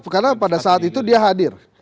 karena pada saat itu dia hadir